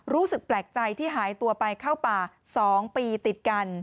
รู้สึกแปลกใจที่หายตัวไปเข้าป่า๒ปีติดกัน